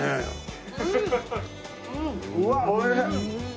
うわっ美味しい！